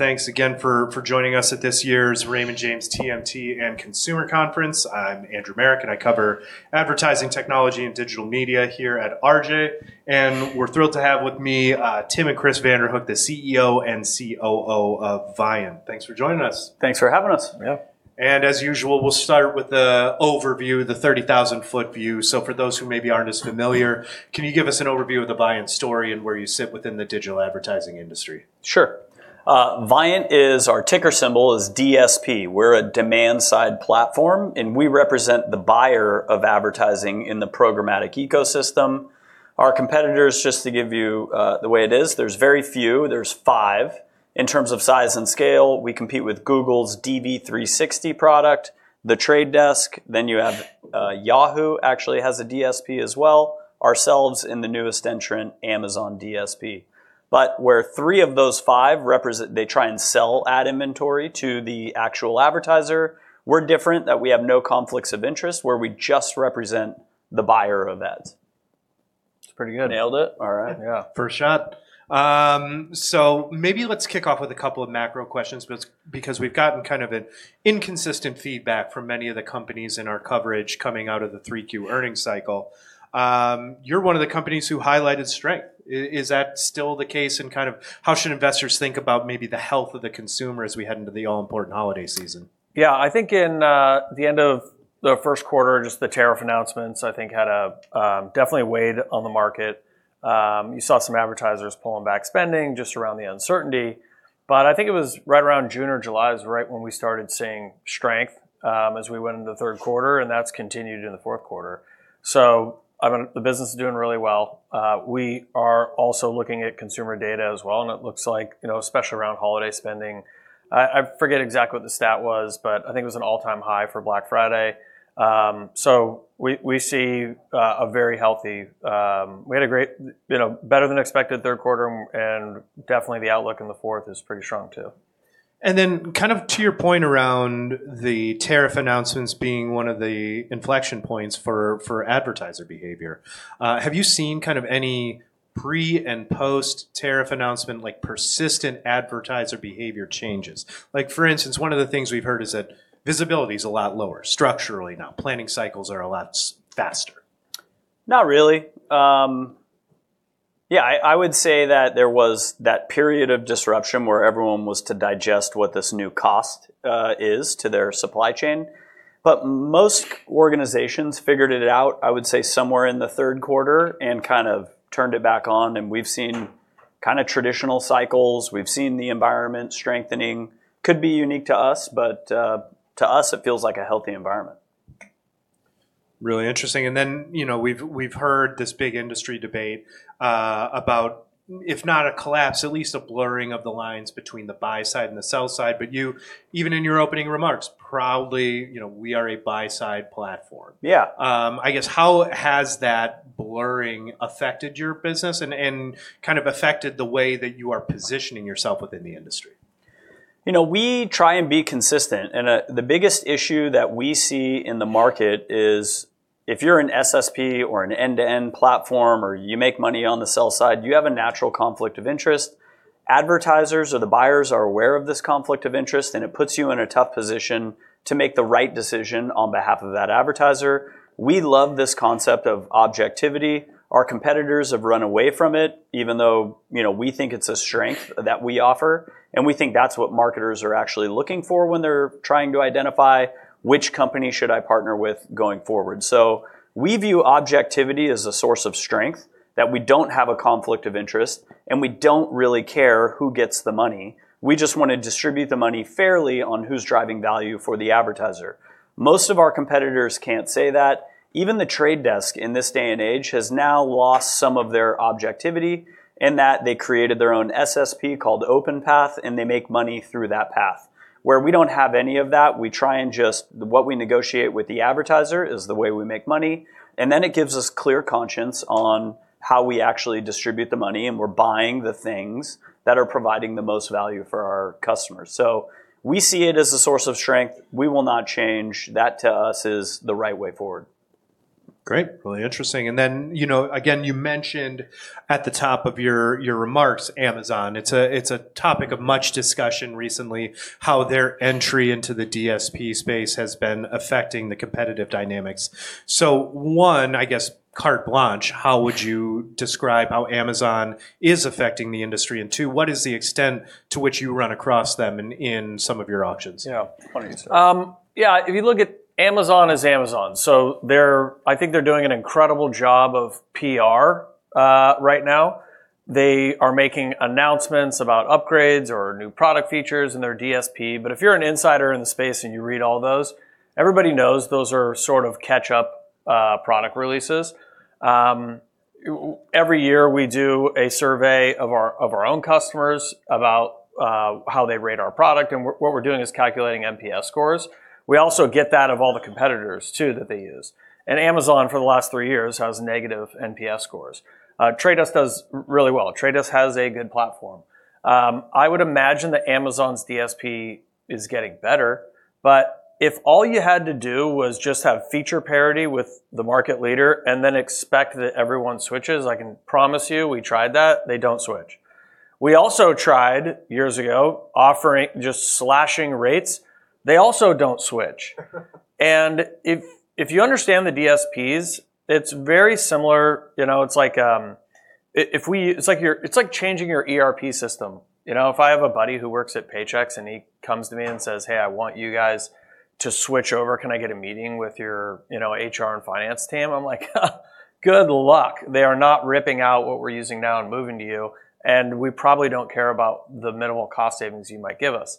Thanks again for joining us at this year's Raymond James TMT and Consumer Conference. I'm Andrew Marok, and I cover advertising technology and digital media here at RJ, and we're thrilled to have with me Tim and Chris Vanderhook, the CEO and COO of Viant. Thanks for joining us. Thanks for having us. Yeah. And as usual, we'll start with the overview, the 30,000-foot view. So for those who maybe aren't as familiar, can you give us an overview of the Viant story and where you sit within the digital advertising industry? Sure. Viant is our ticker symbol is DSP. We're a demand-side platform, and we represent the buyer of advertising in the programmatic ecosystem. Our competitors, just to give you the way it is, there's very few. There's five. In terms of size and scale, we compete with Google's DV360 product, The Trade Desk. Then you have Yahoo actually has a DSP as well. Ourselves in the newest entrant, Amazon DSP. But where three of those five represent, they try and sell ad inventory to the actual advertiser, we're different that we have no conflicts of interest, where we just represent the buyer of ads. That's pretty good. Nailed it. All right. Yeah. First shot. So maybe let's kick off with a couple of macro questions because we've gotten kind of an inconsistent feedback from many of the companies in our coverage coming out of the 3Q earnings cycle. You're one of the companies who highlighted strength. Is that still the case? And kind of how should investors think about maybe the health of the consumer as we head into the all-important holiday season? Yeah. I think in the end of the first quarter, just the tariff announcements I think had definitely a weight on the market. You saw some advertisers pulling back spending just around the uncertainty. But I think it was right around June or July is right when we started seeing strength as we went into the third quarter, and that's continued in the fourth quarter. So the business is doing really well. We are also looking at consumer data as well, and it looks like especially around holiday spending. I forget exactly what the stat was, but I think it was an all-time high for Black Friday. So we see a very healthy. We had a great, better than expected third quarter, and definitely the outlook in the fourth is pretty strong too. And then kind of to your point around the tariff announcements being one of the inflection points for advertiser behavior, have you seen kind of any pre- and post-tariff announcement persistent advertiser behavior changes? For instance, one of the things we've heard is that visibility is a lot lower structurally. Now, planning cycles are a lot faster. Not really. Yeah, I would say that there was that period of disruption where everyone was to digest what this new cost is to their supply chain. But most organizations figured it out, I would say, somewhere in the third quarter and kind of turned it back on. And we've seen kind of traditional cycles. We've seen the environment strengthening. Could be unique to us, but to us, it feels like a healthy environment. Really interesting. And then we've heard this big industry debate about, if not a collapse, at least a blurring of the lines between the buy-side and the sell-side. But even in your opening remarks, probably we are a buy-side platform. Yeah. I guess how has that blurring affected your business and kind of affected the way that you are positioning yourself within the industry? We try and be consistent, and the biggest issue that we see in the market is if you're an SSP or an end-to-end platform or you make money on the sell side, you have a natural conflict of interest. Advertisers, or the buyers, are aware of this conflict of interest, and it puts you in a tough position to make the right decision on behalf of that advertiser. We love this concept of objectivity. Our competitors have run away from it, even though we think it's a strength that we offer, and we think that's what marketers are actually looking for when they're trying to identify which company should I partner with going forward, so we view objectivity as a source of strength that we don't have a conflict of interest, and we don't really care who gets the money. We just want to distribute the money fairly on who's driving value for the advertiser. Most of our competitors can't say that. Even The Trade Desk in this day and age has now lost some of their objectivity in that they created their own SSP called OpenPath, and they make money through that path. Where we don't have any of that, we try and just what we negotiate with the advertiser is the way we make money. And then it gives us clear conscience on how we actually distribute the money, and we're buying the things that are providing the most value for our customers. So we see it as a source of strength. We will not change. That to us is the right way forward. Great. Really interesting. And then again, you mentioned at the top of your remarks, Amazon. It's a topic of much discussion recently how their entry into the DSP space has been affecting the competitive dynamics. So one, I guess, carte blanche, how would you describe how Amazon is affecting the industry? And two, what is the extent to which you run across them in some of your auctions? Yeah. Yeah. If you look at Amazon as Amazon. So I think they're doing an incredible job of PR right now. They are making announcements about upgrades or new product features in their DSP. But if you're an insider in the space and you read all those, everybody knows those are sort of catch-up product releases. Every year we do a survey of our own customers about how they rate our product. And what we're doing is calculating NPS scores. We also get that of all the competitors too that they use. And Amazon for the last three years has negative NPS scores. Trade Desk does really well. Trade Desk has a good platform. I would imagine that Amazon's DSP is getting better. But if all you had to do was just have feature parity with the market leader and then expect that everyone switches, I can promise you we tried that. They don't switch. We also tried years ago offering just slashing rates. They also don't switch. And if you understand the DSPs, it's very similar. It's like changing your ERP system. If I have a buddy who works at Paychex and he comes to me and says, "Hey, I want you guys to switch over. Can I get a meeting with your HR and finance team?" I'm like, "Good luck. They are not ripping out what we're using now and moving to you. And we probably don't care about the minimal cost savings you might give us."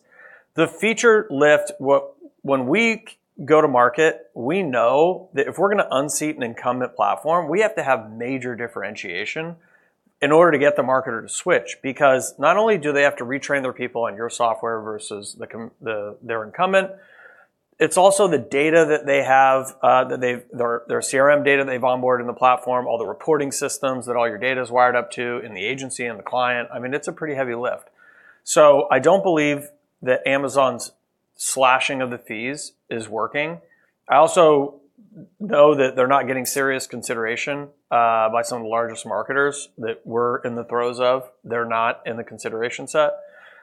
The feature lift, when we go to market, we know that if we're going to unseat an incumbent platform, we have to have major differentiation in order to get the marketer to switch. Because not only do they have to retrain their people on your software versus their incumbent, it's also the data that they have, their CRM data they've onboarded in the platform, all the reporting systems that all your data is wired up to in the agency and the client. I mean, it's a pretty heavy lift. So I don't believe that Amazon's slashing of the fees is working. I also know that they're not getting serious consideration by some of the largest marketers that we're in the throes of. They're not in the consideration set.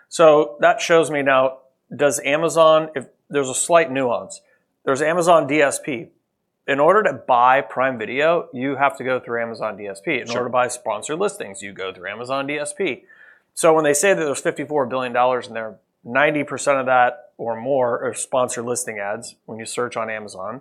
So that shows me now, does Amazon? There's a slight nuance. There's Amazon DSP. In order to buy Prime Video, you have to go through Amazon DSP. In order to buy sponsored listings, you go through Amazon DSP, so when they say that there's $54 billion and they're 90% of that or more are sponsored listing ads when you search on Amazon.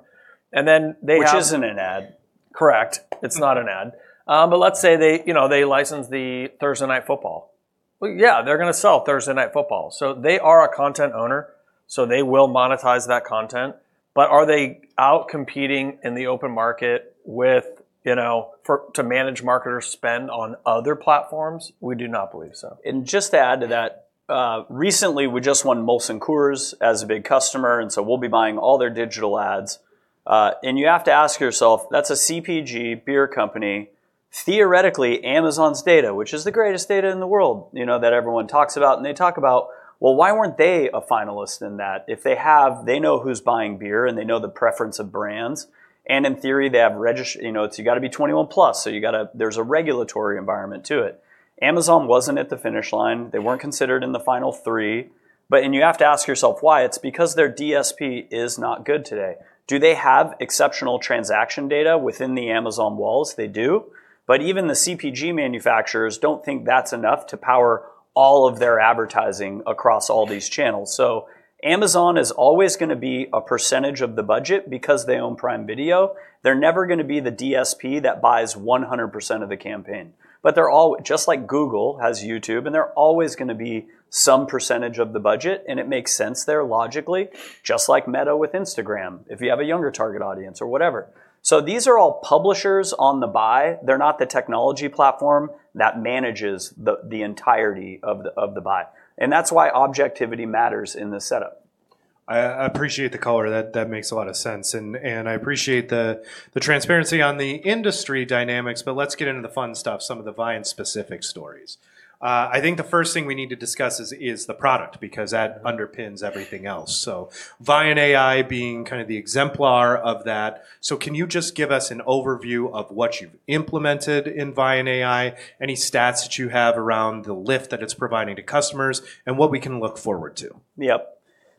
Which isn't an ad. Correct. It's not an ad. But let's say they license the Thursday Night Football. Yeah, they're going to sell Thursday Night Football. So they are a content owner. So they will monetize that content. But are they out competing in the open market to manage marketers' spend on other platforms? We do not believe so. And just to add to that, recently we just won Molson Coors as a big customer. And so we'll be buying all their digital ads. And you have to ask yourself, that's a CPG beer company, theoretically Amazon's data, which is the greatest data in the world that everyone talks about. And they talk about, well, why weren't they a finalist in that? If they have, they know who's buying beer and they know the preference of brands. And in theory, they have registry notes. You got to be 21+. So there's a regulatory environment to it. Amazon wasn't at the finish line. They weren't considered in the final three. And you have to ask yourself why. It's because their DSP is not good today. Do they have exceptional transaction data within the Amazon walls? They do. But even the CPG manufacturers don't think that's enough to power all of their advertising across all these channels. So Amazon is always going to be a percentage of the budget because they own Prime Video. They're never going to be the DSP that buys 100% of the campaign. But they're all just like Google has YouTube, and they're always going to be some percentage of the budget. And it makes sense there logically, just like Meta with Instagram if you have a younger target audience or whatever. So these are all publishers on the buy. They're not the technology platform that manages the entirety of the buy. And that's why objectivity matters in this setup. I appreciate the color. That makes a lot of sense. And I appreciate the transparency on the industry dynamics. But let's get into the fun stuff, some of the Viant-specific stories. I think the first thing we need to discuss is the product because that underpins everything else. So ViantAI being kind of the exemplar of that. So can you just give us an overview of what you've implemented in ViantAI, any stats that you have around the lift that it's providing to customers, and what we can look forward to? Yep.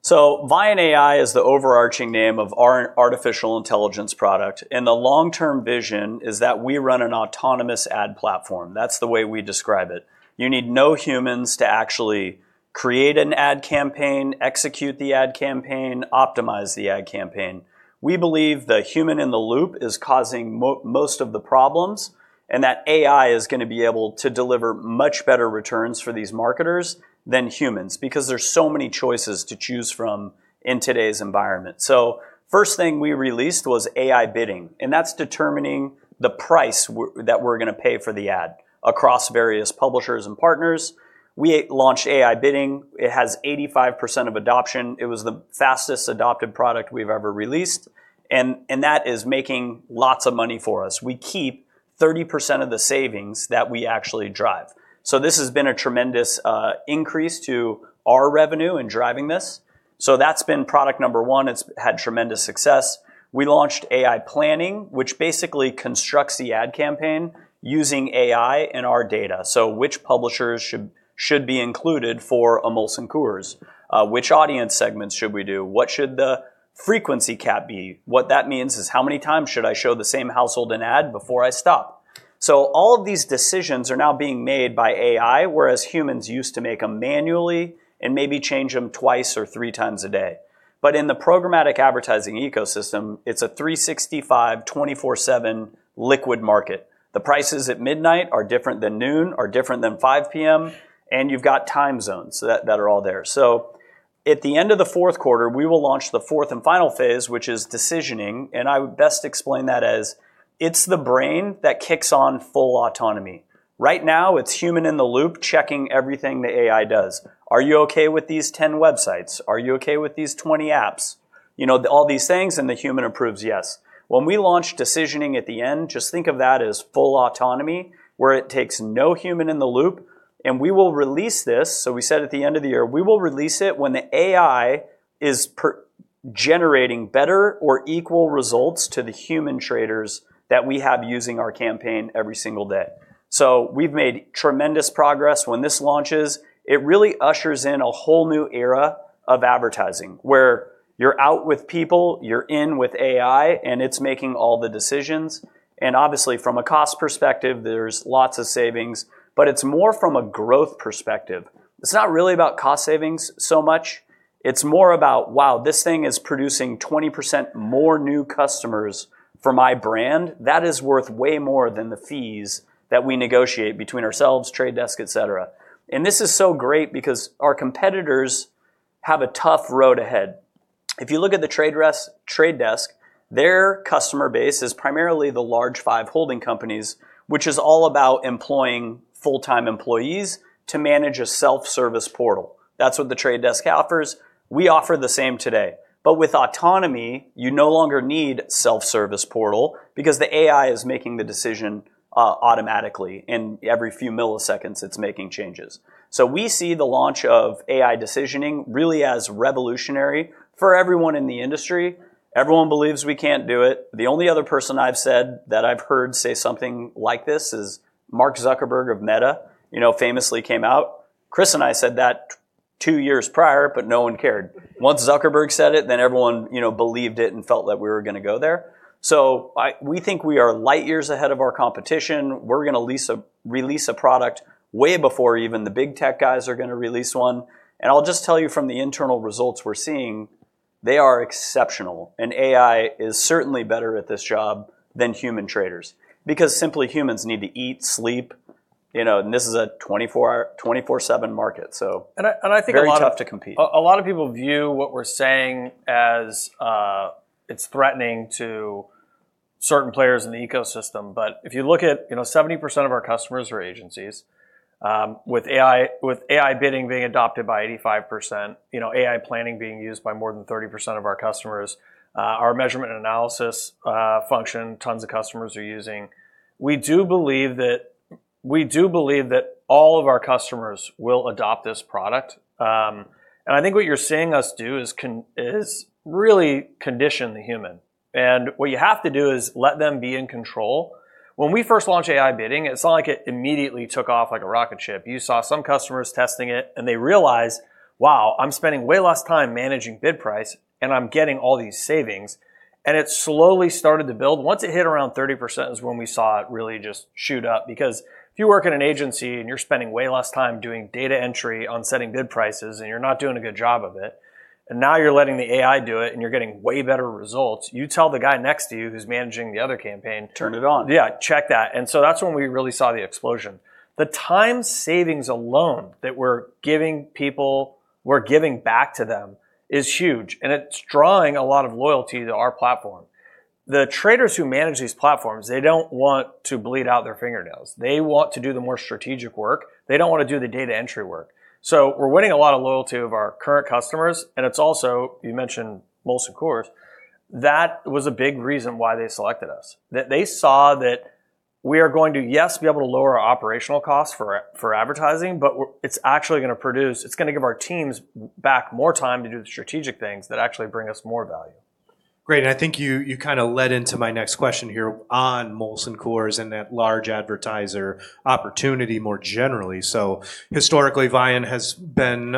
So ViantAI is the overarching name of our artificial intelligence product. And the long-term vision is that we run an autonomous ad platform. That's the way we describe it. You need no humans to actually create an ad campaign, execute the ad campaign, optimize the ad campaign. We believe the human in the loop is causing most of the problems and that AI is going to be able to deliver much better returns for these marketers than humans because there's so many choices to choose from in today's environment. So first thing we released was AI Bidding. And that's determining the price that we're going to pay for the ad across various publishers and partners. We launched AI Bidding. It has 85% of adoption. It was the fastest adopted product we've ever released. And that is making lots of money for us. We keep 30% of the savings that we actually drive, so this has been a tremendous increase to our revenue in driving this, so that's been product number one. It's had tremendous success. We launched AI Planning, which basically constructs the ad campaign using AI and our data, so which publishers should be included for a Molson Coors? Which audience segments should we do? What should the frequency cap be? What that means is how many times should I show the same household an ad before I stop, so all of these decisions are now being made by AI, whereas humans used to make them manually and maybe change them twice or three times a day, but in the programmatic advertising ecosystem, it's a 365, 24/7 liquid market. The prices at midnight are different than noon, are different than 5:00 P.M., and you've got time zones that are all there. So at the end of the fourth quarter, we will launch the fourth and final phase, which is Decisioning. And I would best explain that as it's the brain that kicks on full autonomy. Right now, it's human in the loop checking everything the AI does. Are you okay with these 10 websites? Are you okay with these 20 apps? All these things, and the human approves, yes. When we launch Decisioning at the end, just think of that as full autonomy where it takes no human in the loop. And we will release this. So we said at the end of the year, we will release it when the AI is generating better or equal results to the human traders that we have using our campaign every single day. So we've made tremendous progress. When this launches, it really ushers in a whole new era of advertising where you're out with people, you're in with AI, and it's making all the decisions, and obviously, from a cost perspective, there's lots of savings, but it's more from a growth perspective, it's not really about cost savings so much, it's more about, wow, this thing is producing 20% more new customers for my brand. That is worth way more than the fees that we negotiate between ourselves, Trade Desk, et cetera, and this is so great because our competitors have a tough road ahead. If you look at the Trade Desk, their customer base is primarily the large five holding companies, which is all about employing full-time employees to manage a self-service portal. That's what the Trade Desk offers. We offer the same today. But with autonomy, you no longer need self-service portal because the AI is making the decision automatically. And every few milliseconds, it's making changes. So we see the launch of AI Decisioning really as revolutionary for everyone in the industry. Everyone believes we can't do it. The only other person I've said that I've heard say something like this is Mark Zuckerberg of Meta, famously came out. Chris and I said that two years prior, but no one cared. Once Zuckerberg said it, then everyone believed it and felt that we were going to go there. So we think we are light years ahead of our competition. We're going to release a product way before even the big tech guys are going to release one. And I'll just tell you from the internal results we're seeing, they are exceptional. And AI is certainly better at this job than human traders because simply humans need to eat, sleep. And this is a 24/7 market. And I think a lot of. Very tough to compete. A lot of people view what we're saying as it's threatening to certain players in the ecosystem, but if you look at 70% of our customers are agencies, with AI Bidding being adopted by 85%, AI Planning being used by more than 30% of our customers, our measurement analysis function, tons of customers are using. We do believe that all of our customers will adopt this product, and I think what you're seeing us do is really condition the human, and what you have to do is let them be in control. When we first launched AI Bidding, it's not like it immediately took off like a rocket ship. You saw some customers testing it, and they realized, wow, I'm spending way less time managing bid price, and I'm getting all these savings, and it slowly started to build. Once it hit around 30% is when we saw it really just shoot up. Because if you work in an agency and you're spending way less time doing data entry on setting bid prices, and you're not doing a good job of it, and now you're letting the AI do it, and you're getting way better results, you tell the guy next to you who's managing the other campaign. Turn it on. Yeah, check that, and so that's when we really saw the explosion. The time savings alone that we're giving people, we're giving back to them is huge, and it's drawing a lot of loyalty to our platform. The traders who manage these platforms, they don't want to bleed out their fingernails. They want to do the more strategic work. They don't want to do the data entry work, so we're winning a lot of loyalty of our current customers, and it's also, you mentioned Molson Coors, that was a big reason why they selected us. They saw that we are going to, yes, be able to lower our operational costs for advertising, but it's actually going to produce, it's going to give our teams back more time to do the strategic things that actually bring us more value. Great. And I think you kind of led into my next question here on Molson Coors and that large advertiser opportunity more generally. So historically, Viant has been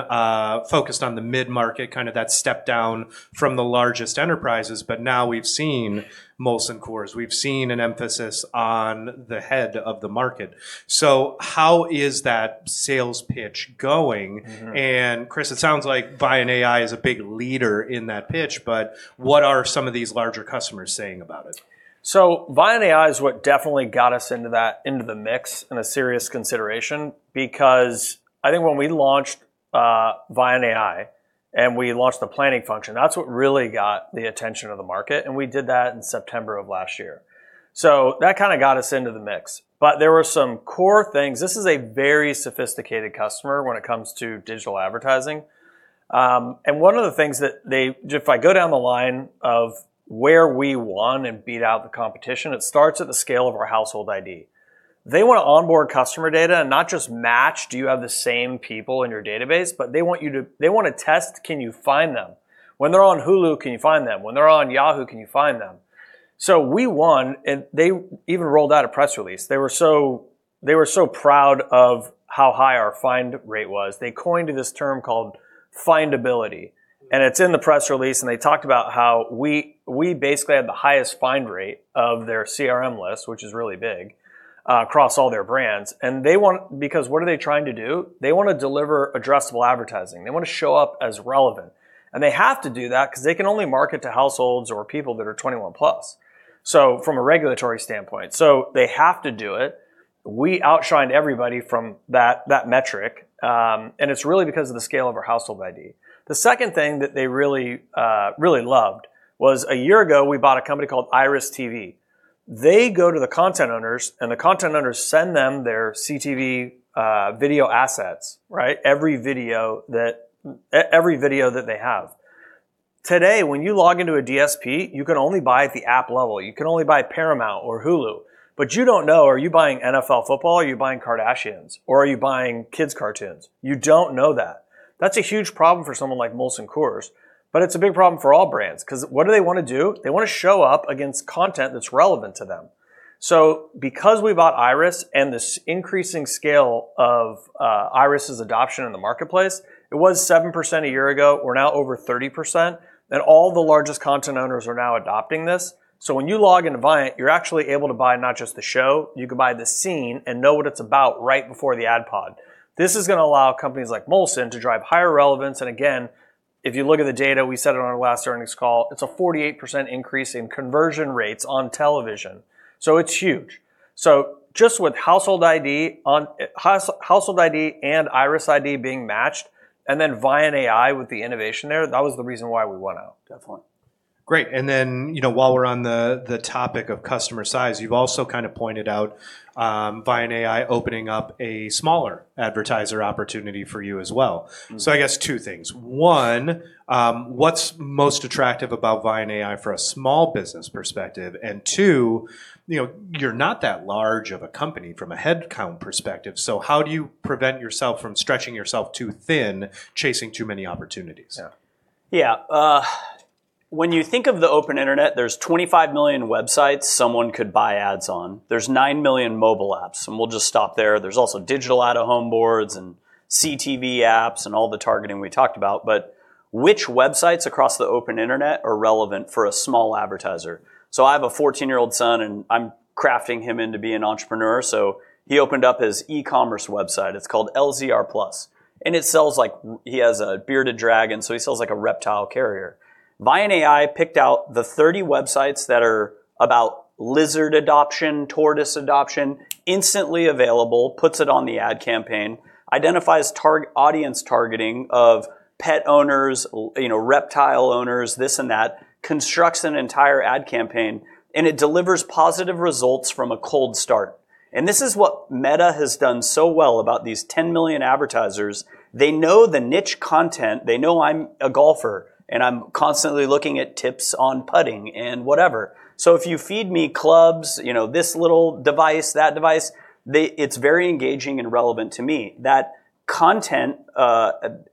focused on the mid-market, kind of that step down from the largest enterprises. But now we've seen Molson Coors. We've seen an emphasis on the head of the market. So how is that sales pitch going? And Chris, it sounds like ViantAI is a big leader in that pitch. But what are some of these larger customers saying about it? So ViantAI is what definitely got us into the mix and a serious consideration. Because I think when we launched ViantAI and we launched the planning function, that's what really got the attention of the market. And we did that in September of last year. So that kind of got us into the mix. But there were some core things. This is a very sophisticated customer when it comes to digital advertising. And one of the things that they, if I go down the line of where we won and beat out the competition, it starts at the scale of our Household ID. They want to onboard customer data and not just match, do you have the same people in your database, but they want to test, can you find them? When they're on Hulu, can you find them? When they're on Yahoo, can you find them? So we won, and they even rolled out a press release. They were so proud of how high our find rate was. They coined this term called Findability, and it's in the press release, and they talked about how we basically had the highest find rate of their CRM list, which is really big across all their brands. They want, because what are they trying to do? They want to deliver addressable advertising. They want to show up as relevant, and they have to do that because they can only market to households or people that are 21 plus, so from a regulatory standpoint, so they have to do it. We outshined everybody from that metric, and it's really because of the scale of our Household ID. The second thing that they really loved was, a year ago, we bought a company called IRIS.TV. They go to the content owners, and the content owners send them their CTV video assets, every video that they have. Today, when you log into a DSP, you can only buy at the app level. You can only buy Paramount or Hulu. But you don't know, are you buying NFL football? Are you buying Kardashians? Or are you buying kids' cartoons? You don't know that. That's a huge problem for someone like Molson Coors. But it's a big problem for all brands because what do they want to do? They want to show up against content that's relevant to them. So because we bought IRIS and this increasing scale of IRIS' adoption in the marketplace, it was 7% a year ago. We're now over 30%. And all the largest content owners are now adopting this. So when you log into Viant, you're actually able to buy not just the show, you can buy the scene and know what it's about right before the ad pod. This is going to allow companies like Molson to drive higher relevance. And again, if you look at the data, we said it on our last earnings call, it's a 48% increase in conversion rates on television. So it's huge. So just with Household ID and IRIS_ID being matched, and then ViantAI with the innovation there, that was the reason why we won out. Definitely. Great. And then while we're on the topic of customer size, you've also kind of pointed out ViantAI opening up a smaller advertiser opportunity for you as well. So I guess two things. One, what's most attractive about ViantAI from a small business perspective? And two, you're not that large of a company from a headcount perspective. So how do you prevent yourself from stretching yourself too thin, chasing too many opportunities? Yeah. When you think of the open internet, there's 25 million websites someone could buy ads on. There's nine million mobile apps. And we'll just stop there. There's also digital out-of-home boards and CTV apps and all the targeting we talked about. But which websites across the open internet are relevant for a small advertiser? So I have a 14-year-old son, and I'm crafting him into being an entrepreneur. So he opened up his e-commerce website. It's called LZR+. And it sells like, he has a bearded dragon, so he sells like a reptile carrier. ViantAI picked out the 30 websites that are about lizard adoption, tortoise adoption, instantly available, puts it on the ad campaign, identifies audience targeting of pet owners, reptile owners, this and that, constructs an entire ad campaign, and it delivers positive results from a cold start. And this is what Meta has done so well about these 10 million advertisers. They know the niche content. They know I'm a golfer, and I'm constantly looking at tips on putting and whatever. So if you feed me clubs, this little device, that device, it's very engaging and relevant to me. That content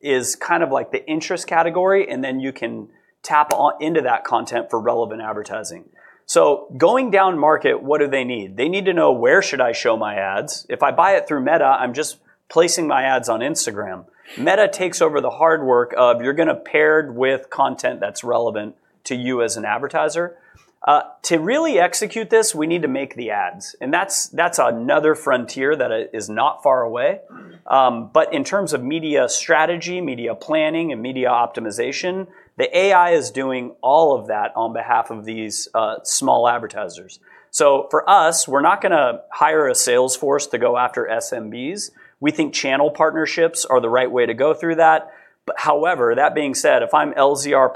is kind of like the interest category, and then you can tap into that content for relevant advertising. So going down market, what do they need? They need to know, where should I show my ads? If I buy it through Meta, I'm just placing my ads on Instagram. Meta takes over the hard work of, you're going to pair with content that's relevant to you as an advertiser. To really execute this, we need to make the ads. And that's another frontier that is not far away. But in terms of media strategy, media planning, and media optimization, the AI is doing all of that on behalf of these small advertisers. So for us, we're not going to hire a sales force to go after SMBs. We think channel partnerships are the right way to go through that. However, that being said, if I'm LZR+,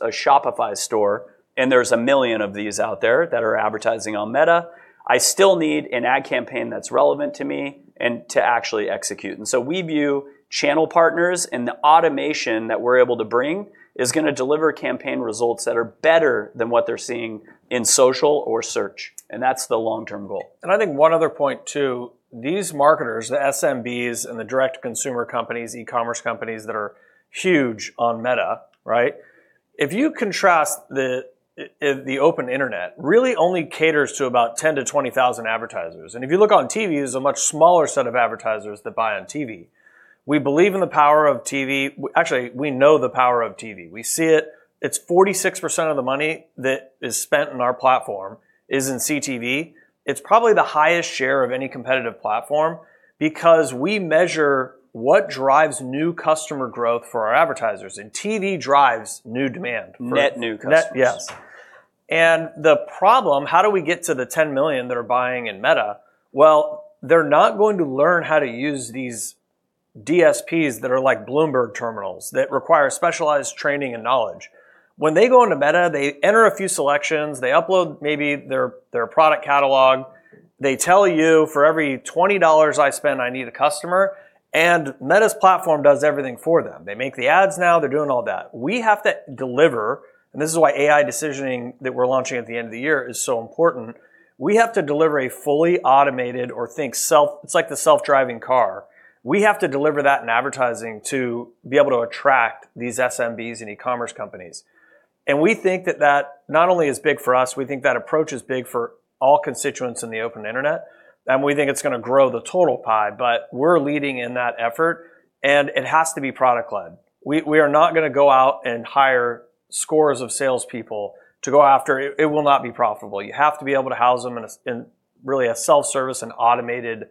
a Shopify store, and there's a million of these out there that are advertising on Meta, I still need an ad campaign that's relevant to me and to actually execute. And so we view channel partners, and the automation that we're able to bring is going to deliver campaign results that are better than what they're seeing in social or search. And that's the long-term goal. And I think one other point too, these marketers, the SMBs and the direct-to-consumer companies, e-commerce companies that are huge on Meta. If you contrast the open internet, really only caters to about 10,000-20,000 advertisers. And if you look on TV, there's a much smaller set of advertisers that buy on TV. We believe in the power of TV. Actually, we know the power of TV. We see it. It's 46% of the money that is spent in our platform is in CTV. It's probably the highest share of any competitive platform because we measure what drives new customer growth for our advertisers. And TV drives new demand. Net new customers. Yes. And the problem, how do we get to the 10 million that are buying in Meta? Well, they're not going to learn how to use these DSPs that are like Bloomberg terminals that require specialized training and knowledge. When they go into Meta, they enter a few selections. They upload maybe their product catalog. They tell you, for every $20 I spend, I need a customer. And Meta's platform does everything for them. They make the ads now. They're doing all that. We have to deliver, and this is why AI Decisioning that we're launching at the end of the year is so important. We have to deliver a fully automated, or think self, it's like the self-driving car. We have to deliver that in advertising to be able to attract these SMBs and e-commerce companies. And we think that that not only is big for us, we think that approach is big for all constituents in the open internet. And we think it's going to grow the total pie. But we're leading in that effort. And it has to be product-led. We are not going to go out and hire scores of salespeople to go after. It will not be profitable. You have to be able to house them in really a self-service and automated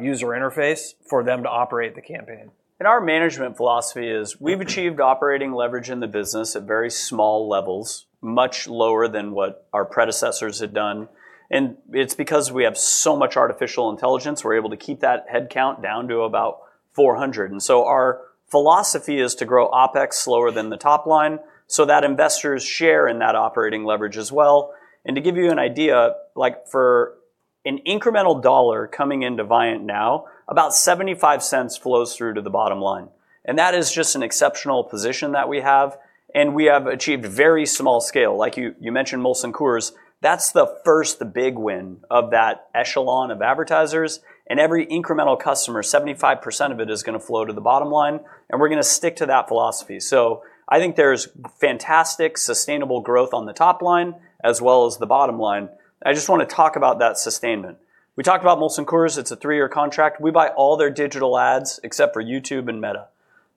user interface for them to operate the campaign. Our management philosophy is we've achieved operating leverage in the business at very small levels, much lower than what our predecessors had done. It's because we have so much artificial intelligence; we're able to keep that headcount down to about 400. Our philosophy is to grow OpEx slower than the top line so that investors share in that operating leverage as well. To give you an idea, for an incremental dollar coming into Viant now, about $0.75 flows through to the bottom line. That is just an exceptional position that we have. We have achieved very small scale. Like you mentioned, Molson Coors, that's the first big win of that echelon of advertisers. Every incremental customer, 75% of it is going to flow to the bottom line. We're going to stick to that philosophy. So I think there's fantastic sustainable growth on the top line as well as the bottom line. I just want to talk about that sustainment. We talked about Molson Coors. It's a three-year contract. We buy all their digital ads except for YouTube and Meta.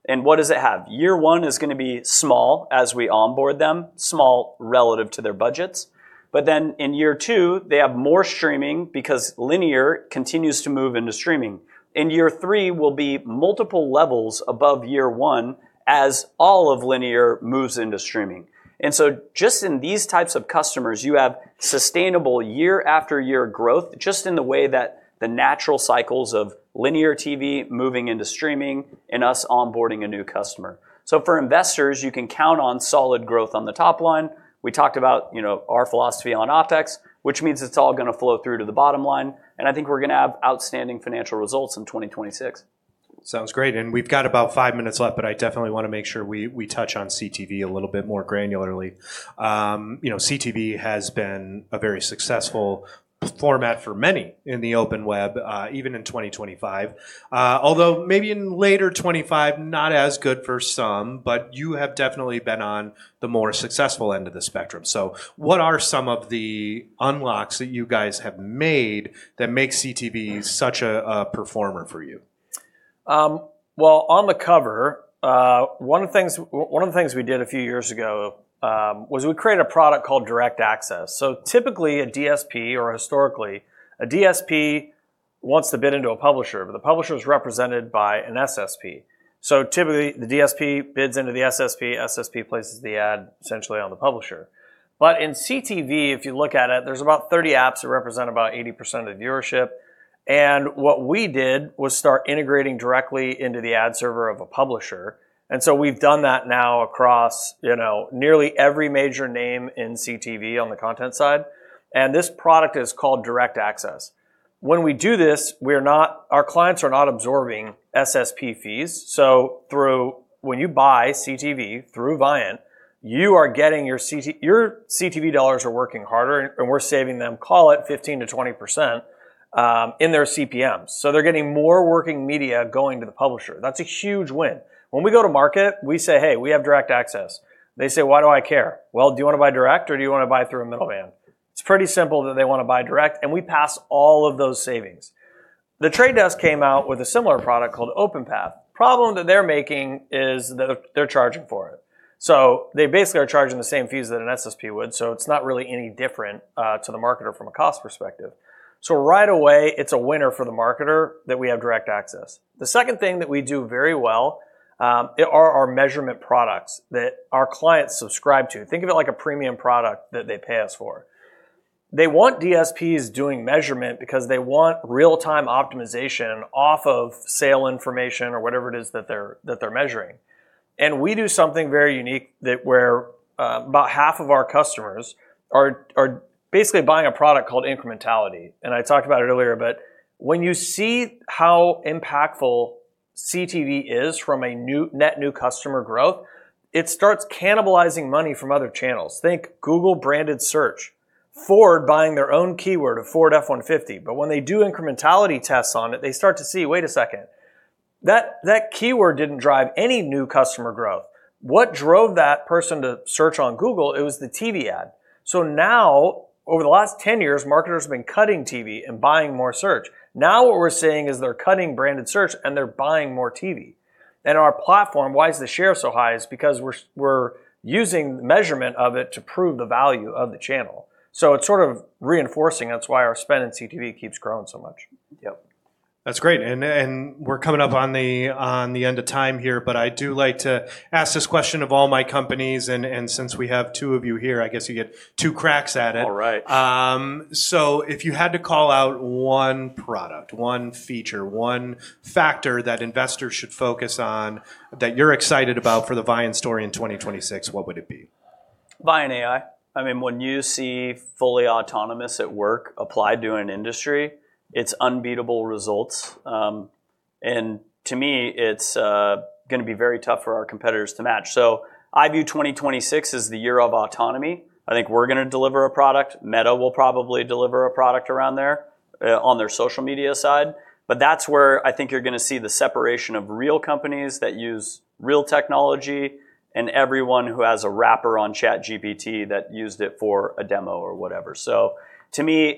And what does it have? Year one is going to be small as we onboard them, small relative to their budgets. But then in year two, they have more streaming because linear continues to move into streaming. In year three, we'll be multiple levels above year one as all of linear moves into streaming. And so just in these types of customers, you have sustainable year-after-year growth just in the way that the natural cycles of linear TV moving into streaming and us onboarding a new customer. So for investors, you can count on solid growth on the top line. We talked about our philosophy on OPEX, which means it's all going to flow through to the bottom line, and I think we're going to have outstanding financial results in 2026. Sounds great, and we've got about five minutes left, but I definitely want to make sure we touch on CTV a little bit more granularly. CTV has been a very successful format for many in the open web, even in 2025. Although maybe in later 2025, not as good for some, but you have definitely been on the more successful end of the spectrum, so what are some of the unlocks that you guys have made that make CTV such a performer for you? On the cover, one of the things we did a few years ago was we created a product called Direct Access. Typically, a DSP or historically, a DSP wants to bid into a publisher, but the publisher is represented by an SSP. Typically, the DSP bids into the SSP. SSP places the ad essentially on the publisher. In CTV, if you look at it, there's about 30 apps that represent about 80% of viewership. What we did was start integrating directly into the ad server of a publisher. We've done that now across nearly every major name in CTV on the content side. This product is called Direct Access. When we do this, our clients are not absorbing SSP fees. So when you buy CTV through Viant, you are getting your CTV dollars are working harder, and we're saving them, call it 15%-20% in their CPMs. So they're getting more working media going to the publisher. That's a huge win. When we go to market, we say, hey, we have Direct Access. They say, why do I care? Well, do you want to buy direct, or do you want to buy through a middle man? It's pretty simple that they want to buy direct. And we pass all of those savings. The Trade Desk came out with a similar product called OpenPath. The problem that they're making is that they're charging for it. So they basically are charging the same fees that an SSP would. So it's not really any different to the marketer from a cost perspective. So right away, it's a winner for the marketer that we have Direct Access. The second thing that we do very well are our measurement products that our clients subscribe to. Think of it like a premium product that they pay us for. They want DSPs doing measurement because they want real-time optimization off of sale information or whatever it is that they're measuring. And we do something very unique where about half of our customers are basically buying a product called incrementality. And I talked about it earlier, but when you see how impactful CTV is from a net new customer growth, it starts cannibalizing money from other channels. Think Google branded search, Ford buying their own keyword of Ford F-150. But when they do incrementality tests on it, they start to see, wait a second, that keyword didn't drive any new customer growth. What drove that person to search on Google? It was the TV ad. So now, over the last 10 years, marketers have been cutting TV and buying more search. Now what we're seeing is they're cutting branded search, and they're buying more TV. And our platform, why is the share so high? It's because we're using the measurement of it to prove the value of the channel. So it's sort of reinforcing. That's why our spend in CTV keeps growing so much. Yep. That's great. And we're coming up on the end of time here, but I do like to ask this question of all my companies. And since we have two of you here, I guess you get two cracks at it. All right. So if you had to call out one product, one feature, one factor that investors should focus on that you're excited about for the Viant story in 2026, what would it be? ViantAI. I mean, when you see fully autonomous at work applied to an industry, it's unbeatable results, and to me, it's going to be very tough for our competitors to match, so I view 2026 as the year of autonomy. I think we're going to deliver a product. Meta will probably deliver a product around there on their social media side, but that's where I think you're going to see the separation of real companies that use real technology and everyone who has a wrapper on ChatGPT that used it for a demo or whatever, so to me,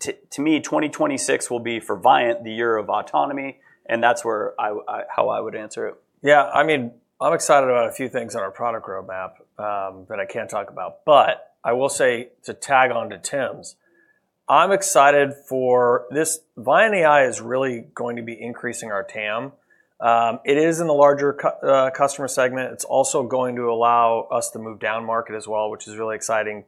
2026 will be for Viant the year of autonomy, and that's how I would answer it. Yeah. I mean, I'm excited about a few things on our product roadmap that I can't talk about, but I will say, to tag on to Tim's, I'm excited for this ViantAI is really going to be increasing our TAM. It is in the larger customer segment. It's also going to allow us to move down market as well, which is really exciting,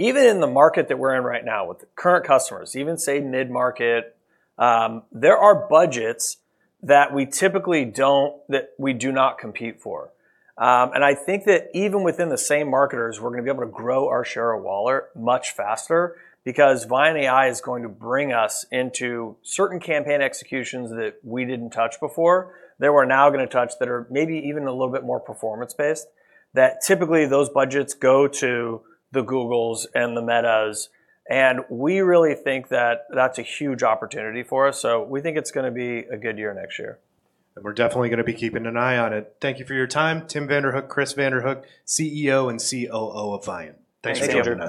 but even in the market that we're in right now with the current customers, even, say, mid-market, there are budgets that we typically don't that we do not compete for, and I think that even within the same marketers, we're going to be able to grow our share of wallet much faster because ViantAI is going to bring us into certain campaign executions that we didn't touch before that we're now going to touch that are maybe even a little bit more performance-based. That typically those budgets go to the Googles and the Metas, and we really think that that's a huge opportunity for us, so we think it's going to be a good year next year, and we're definitely going to be keeping an eye on it. Thank you for your time, Tim Vanderhook, Chris Vanderhook, CEO and COO of Viant. Thanks for joining us.